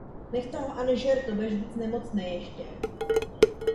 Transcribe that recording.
Nemůžeme dovolit, abychom nechvalně prosluli takovýmto klamáním občanů.